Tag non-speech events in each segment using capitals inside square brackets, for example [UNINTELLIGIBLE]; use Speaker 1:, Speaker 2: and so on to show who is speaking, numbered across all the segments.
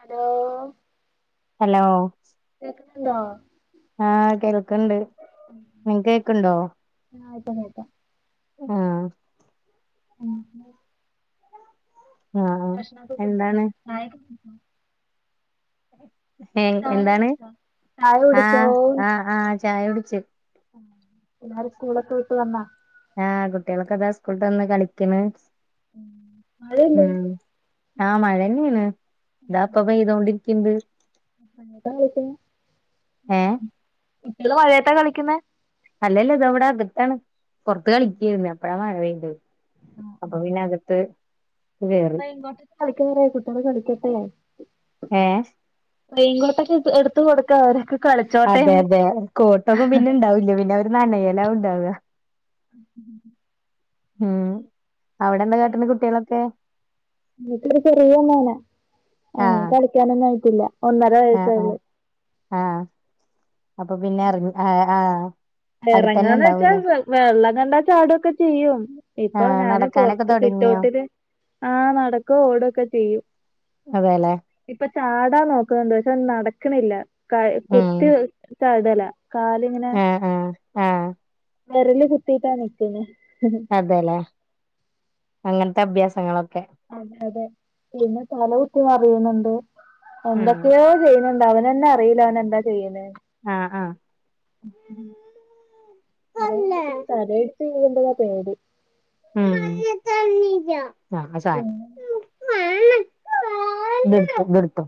Speaker 1: Hello [UNINTELLIGIBLE]
Speaker 2: hello
Speaker 1: കേക്ക്ന്ന്ണ്ടോ?
Speaker 2: ആഹ് കേൾക്കണ്ട് നിങ്ങക്ക് കേക്ക്ണ്ടോ
Speaker 1: ആഹ് ഇപ്പം കേക്കാ
Speaker 2: ആഹ്
Speaker 1: [UNINTELLIGIBLE]
Speaker 2: ആഹ് ആഹ്
Speaker 1: ഭക്ഷണൊക്കെ കഴിച്ചോ
Speaker 2: എന്താണ്
Speaker 1: ചായക്കെ കുടിച്ചോ?
Speaker 2: ഏഹ്
Speaker 1: ചായ
Speaker 2: എന്താണ്
Speaker 1: കുടിച്ചോ ചായ കുടിച്ചോ
Speaker 2: ആഹ് ആഹ് ആഹ് ചായ കുടിച്ചു
Speaker 1: എല്ലാരും സ്കൂളൊക്കെ വിട്ട് വന്നാ
Speaker 2: ആഹ് കുട്ടികളക്കെ ഇതാ സ്കൂൾ വിട്ട് വന്ന് കളിക്കണ്
Speaker 1: മഴയില്ലേ
Speaker 2: ഉം ആഹ് മഴന്നെയാണ് ഇതാ ഇപ്പ പെയ്തോണ്ടിരിക്ക്ണ്ട്
Speaker 1: [UNINTELLIGIBLE]
Speaker 2: ഏഹ്
Speaker 1: കുട്ടികള് മഴയത്താ കളിക്കുന്നേ
Speaker 2: അല്ലല്ല ഇതാ ഇവിടെ അകത്താണ് പൊറത്ത് കളിക്കായിരുന്നു അപ്പഴാ മഴ പെയ്തെ
Speaker 1: ആഹ്
Speaker 2: അപ്പ
Speaker 1: ആഹ്
Speaker 2: പിന്നെ അകത്ത് [UNINTELLIGIBLE]
Speaker 1: [UNINTELLIGIBLE] കുട്ടികള് കളിക്കട്ടെ
Speaker 2: ഏഹ്
Speaker 1: റെയിൻ കോട്ടൊക്കെ ഇട്ട് എടുത്ത് കൊടുക്ക് അവര്ക്ക്
Speaker 2: അതെ അതെ കോട്ടൊന്നും പിന്നെ ഇണ്ടാവില്ല പിന്നെ അവര് നനയലാ ഇണ്ടാവാ
Speaker 1: [INAUDIBLE]
Speaker 2: ഉം അവിടെ എന്താ കാട്ടണെ കുട്ടിയേളൊക്കെ
Speaker 1: എനിക്കൊരു ചെറിയ മോനാ അവൻ
Speaker 2: ആഹ്
Speaker 1: കളിക്കാനൊന്നും ആയിട്ടില്ല ഒന്നര
Speaker 2: ആഹ് ആഹ്
Speaker 1: വയസ്സായോള്ളൂ
Speaker 2: ആഹ് അപ്പൊ പിന്നെ എറങ്ങി ഏഹ് ആഹ്
Speaker 1: എറങ്ങാന്ന് വെച്ചാ വെള്ളം കണ്ടാ ചാടൊക്കെ ചെയ്യും
Speaker 2: ആ
Speaker 1: ഇപ്പൊ ഞാനും
Speaker 2: നടക്കാനൊക്കെ
Speaker 1: പൊറത്ത് സിറ്റ്
Speaker 2: തൊടങ്ങിയോ
Speaker 1: ഔട്ടില് ആ നടക്കും ഓടൊക്കെ ചെയ്യും
Speaker 2: അതെല്ലേ
Speaker 1: ഇപ്പൊ ചാടാ നോക്കുന്നുണ്ട് പക്ഷെ ഓൻ നടക്കണില്ല കൈ
Speaker 2: ഉം
Speaker 1: കുത്തി [UNINTELLIGIBLE] കാലിങ്ങനെ
Speaker 2: ആ ആ ആ
Speaker 1: വെരല് കുത്തീട്ടാ നിക്ക്ണ്
Speaker 2: അതെല്ലേ അങ്ങനത്തെ അഭ്യാസങ്ങളൊക്കെ
Speaker 1: അതെ അതെ പിന്നെ തലകുത്തി മറിയണുണ്ട്
Speaker 2: ഉം
Speaker 1: എന്തൊക്കെയോ ചെയ്യുന്നുണ്ട് അവനന്നെ അറിയില്ല അവൻ എന്താ ചെയ്യുന്നേന്ന്
Speaker 2: ആഹ് ആഹ്
Speaker 1: [UNINTELLIGIBLE] തല അടിച്ച് വീഴ്മ്പഴാ പേടി
Speaker 2: ഉം ഇതെടുത്തോ
Speaker 1: പിന്നെ വേറെ
Speaker 2: ഇതെടുത്തോ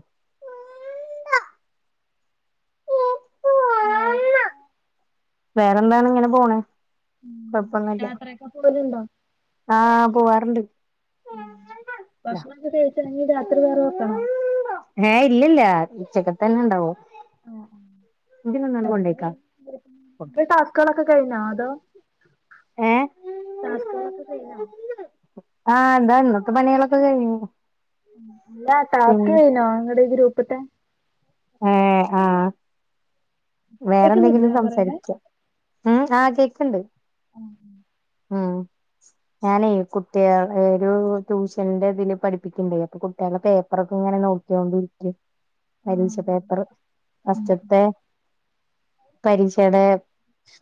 Speaker 1: വേറെന്താ?
Speaker 2: വേറെന്താണ് ഇങ്ങനെ പോണ്
Speaker 1: ഉം
Speaker 2: കൊഴപ്പൊന്നുല്ല
Speaker 1: യാത്രയൊക്കെ പോവല്ണ്ടോ
Speaker 2: ആഹ് പോവാറുണ്ട്
Speaker 1: ഉം
Speaker 2: ലാ
Speaker 1: ഭക്ഷണൊക്കെ കഴിച്ചോ ഇനി രാത്രി വേറെ വെക്കണോ?
Speaker 2: ഏഹ് ഇല്ലില്ല ഉച്ചക്കത്തന്നെ ഇണ്ടാവും
Speaker 1: [UNINTELLIGIBLE] ടാസ്ക്കുകളൊക്കെ കഴിഞ്ഞ അതോ
Speaker 2: ഏ
Speaker 1: ടാസ്ക്കുകളൊക്കെ കഴിഞ്ഞോ?
Speaker 2: ആഹ് ഇതാ ഇന്നത്തെ പണികളൊക്കെ കഴിഞ്ഞു
Speaker 1: ഉം അല്ല
Speaker 2: ഉം
Speaker 1: ടാസ്ക് കഴിഞ്ഞോ ഇങ്ങടെ ഗ്രൂപ്പ്ത്തെ
Speaker 2: ഏഹ് ആഹ്
Speaker 1: കേക്കുന്നില്ലേ
Speaker 2: വേറെന്തെങ്കിലും
Speaker 1: ഞാൻ പറയണേ
Speaker 2: സംസാരിക്കാ ഏഹ് ആഹ് കേക്കണ്ട്
Speaker 1: ഉം
Speaker 2: ഉം ഞാനേ കുട്ടികളെ ഒരു ട്യൂഷന്റെ ഇതിൽ പഠപ്പിക്കണ്ടേ അപ്പൊ കുട്ടികളെ പേപ്പറൊക്കെ ഇങ്ങനെ നോക്ക നോക്കിയോണ്ട് ഇരിക്ക പരീക്ഷ പേപ്പർ ഫസ്റ്റത്തെ പരീക്ഷയുടെ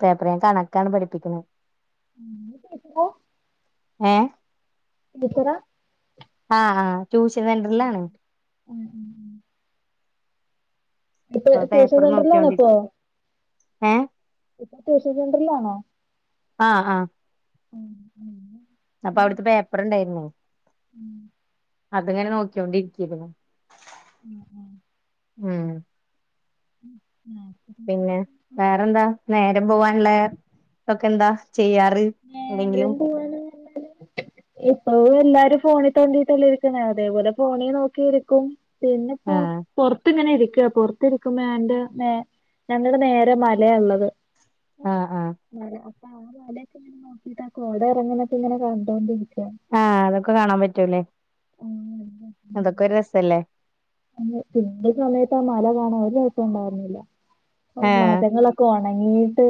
Speaker 2: പേപ്പറ് ഞാ കണക്കാണ് പഠപ്പിക്കുന്നത്
Speaker 1: ഉം [UNINTELLIGIBLE]
Speaker 2: ഏഹ്
Speaker 1: [UNINTELLIGIBLE]
Speaker 2: ആഹ് ആഹ് ട്യൂഷൻ
Speaker 1: ഉം
Speaker 2: സെൻട്രലിലാണ്
Speaker 1: ഉം ഉം ഇപ്പൊ
Speaker 2: അപ്പൊ
Speaker 1: ട്യൂഷൻ
Speaker 2: പേപ്പർ
Speaker 1: സെന്ററിലാണോ
Speaker 2: നോക്കിയോണ്ടിരിക്ക
Speaker 1: അപ്പൊ
Speaker 2: ഏഹ്
Speaker 1: ഇപ്പൊ ട്യൂഷൻ സെൻ്ററിൽ ആണോ
Speaker 2: ആഹ് ആഹ്
Speaker 1: ഉം
Speaker 2: അപ്പൊ
Speaker 1: ഉം
Speaker 2: അവിടുത്തെ പേപ്പറ് ഇണ്ടായിരുന്നു
Speaker 1: ഉം
Speaker 2: അതിങ്ങനെ നോക്കി കൊണ്ടിരിക്കാരുന്നു
Speaker 1: ഉം ഉം
Speaker 2: ഉം
Speaker 1: ഉം
Speaker 2: പിന്നെ വേറെന്താ നേരം പോവാനുള്ള ഒക്കെ എന്താ ചെയ്യാറ് എന്തെങ്കിലും
Speaker 1: നേരം പോവാന്ന് എന്നാല് ഇപ്പ എല്ലാരും ഫോണിൽ തോണ്ടിട്ടല്ലേ ഇരിക്കണേ അതേപോലെ ഫോണിൽ നോക്കിയിരിക്കും പിന്നിപ്പ
Speaker 2: ആഹ്
Speaker 1: പുറത്ത് ഇങ്ങനെ ഇരിക്കുവ പൊറത്തി ഇരിക്കുമ്പോ എന്റെ നേ ഞങ്ങളുടെ നേരെ മലയാള്ളത്
Speaker 2: ആഹ് ആഹ്
Speaker 1: ആ അപ്പ [UNINTELLIGIBLE] നോക്കിട്ട് കോട ഇറങ്ങ്ന്നെ ഇങ്ങനെ കണ്ടോണ്ടിരിക്കുവാണ്
Speaker 2: ആഹ് അതൊക്കെ കാണാൻ പറ്റൂല്ലേ അതൊക്കെ ഒരു രസല്ലേ
Speaker 1: അ [UNINTELLIGIBLE] സമയത്ത് ആ മല കാണാൻ രസണ്ടായിരുന്നില്ല
Speaker 2: ആഹ്
Speaker 1: മരങ്ങളൊ ഉണങ്ങീട്ട്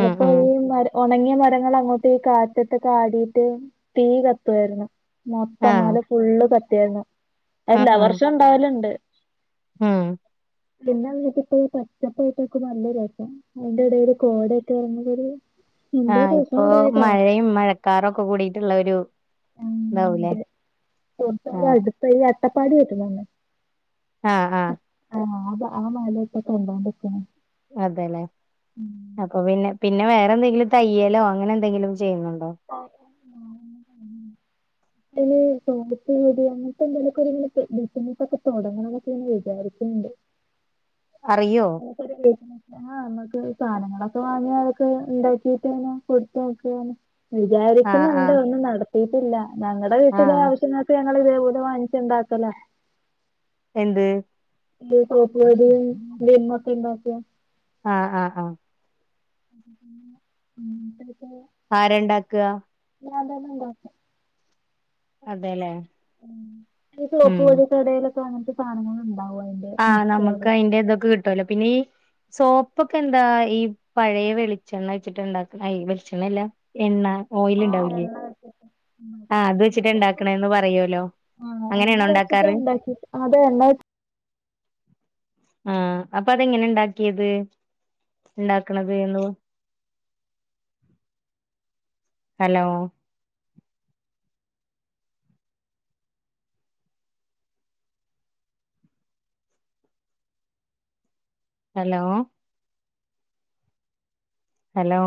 Speaker 2: ഉം ഉം
Speaker 1: ഈ മര ഉണങ്ങിയ മരങ്ങൾ അങ്ങോട്ട് കാറ്റത്ത് ആടിയിട്ട് തീ കത്തുവായിരുന്നു മൊത്തം
Speaker 2: ആഹ്
Speaker 1: മല ഫുള്ള് കത്തിയാരുന്നു
Speaker 2: ഉം
Speaker 1: എല്ലാ
Speaker 2: ഉം
Speaker 1: വർഷം ഇണ്ടാവലുണ്ട്
Speaker 2: ഉം
Speaker 1: പിന്നെ അവിടക്കെ ഇപ്പൊ പച്ചപ്പായിട്ടൊക്കെ നല്ലരു രസം അയിന്റെ ഇടയില് കോടൊക്കെ [UNINTELLIGIBLE]
Speaker 2: ആ ഇപ്പോ മഴയും മഴക്കാറൊക്കെ കൂടിട്ടുള്ള ഒരു
Speaker 1: ആ
Speaker 2: ഇതാവൂലേ
Speaker 1: അതെ [UNINTELLIGIBLE]
Speaker 2: ആഹ്
Speaker 1: അടുത്ത ഈ അട്ടപ്പാടി കേട്ടിട്ടുണ്ടോ
Speaker 2: ആഹ് ആഹ്
Speaker 1: ആഹ് അതാ ആ മലയിപ്പ കണ്ടോണ്ടിക്കണേ
Speaker 2: അതെല്ലേ അപ്പൊ പിന്നെ പിന്നെ വേറെ എന്തെങ്കിലും തയ്യലോ അങ്ങനെ എന്തെങ്കിലും ചെയ്യുന്നുണ്ടോ
Speaker 1: ആ [INAUDIBLE] പിന്നെ [UNINTELLIGIBLE] അങ്ങനത്തെ [UNINTELLIGIBLE] ബിസിനൊക്കെ തുടങ്ങാന്നൊന്നൊക്കെ വിചാരിക്കുന്നുണ്ട്
Speaker 2: അറിയോ
Speaker 1: [UNINTELLIGIBLE] ആഹ് നമ്മുക്ക് സാധനങ്ങളൊക്കെ വാങ്ങി അതൊക്കെ ഉണ്ടാക്കിട്ടിങ്ങനെ കൊടുത്ത് നോക്കാ
Speaker 2: ആഹ്
Speaker 1: വിചാരിക്കുന്നുണ്ട്
Speaker 2: ആഹ്
Speaker 1: ഒന്നും നടത്തിട്ടില്ല ഞങ്ങളുടെ വീട്ടിലെ
Speaker 2: ആഹ്
Speaker 1: ആവശ്യങ്ങ ഞങ്ങളിതേപോലെ വാങ്ങിച്ചുണ്ടാക്കലാ
Speaker 2: എന്ത്
Speaker 1: സോപ്പ് പൊടി [UNINTELLIGIBLE]
Speaker 2: ആഹ ആഹ ആഹ്
Speaker 1: [UNINTELLIGIBLE]
Speaker 2: ആരണ്ടാക്കുക
Speaker 1: ഞാൻതന്നേണ്ടക്ക
Speaker 2: അതെല്ലേ
Speaker 1: ഈ സ്ലോപ്
Speaker 2: ഉം
Speaker 1: പോല കടയിലൊക്കെ അങ്ങനത്തെ സാധനങ്ങൾ ഉണ്ടാവും
Speaker 2: ആഹ് നമുക്ക്
Speaker 1: മിക്സ്ചറ്
Speaker 2: അതിന്റെ ഇതൊക്കെ കിട്ടുവല്ലോ പിന്നെ ഈ സോപ്പൊക്കെ എന്താ ഈ പഴയ വെളിച്ചെണ്ണ വെച്ചിട്ട് ഇണ്ടാക്ക ആയി വെളിച്ചെണ്ണയല്ല എന്നാ
Speaker 1: ആഹ് എണ്ണ
Speaker 2: ആഹ് അത് വെച്ചിട്ട് ഉണ്ടാക്കണന്ന് പറയുവല്ലോ അങ്ങനെയാണോ ഉണ്ടാക്കാറ്
Speaker 1: വെട്ട [UNINTELLIGIBLE] [UNINTELLIGIBLE]
Speaker 2: ആഹ അപ്പൊ അതെങ്ങനെ ഉണ്ടാക്കിയത് ഉണ്ടാക്കണത് എന്ന് ഹലോ ഹലോ ഹലോ